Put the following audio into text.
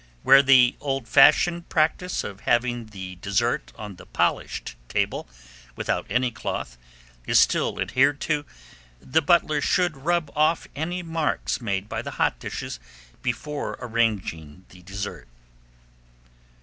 Where the old fashioned practice of having the dessert on the polished table, without any cloth, is still adhered to, the butler should rub off any marks made by the hot dishes before arranging the dessert.